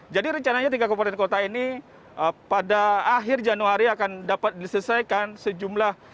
jadi rencananya tiga kabupaten kota ini pada akhir januari akan dapat diselesaikan sejumlah